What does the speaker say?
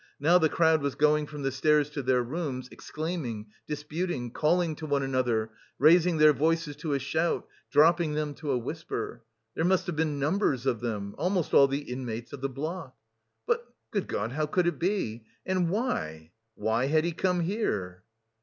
Now the crowd was going from the stairs to their rooms, exclaiming, disputing, calling to one another, raising their voices to a shout, dropping them to a whisper. There must have been numbers of them almost all the inmates of the block. "But, good God, how could it be! And why, why had he come here!"